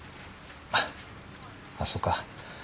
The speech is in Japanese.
あそうか。